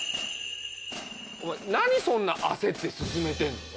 お前何そんな焦って進めてんの？